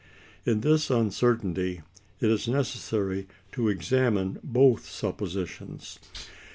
In this uncertainty, it is necessary to examine both suppositions.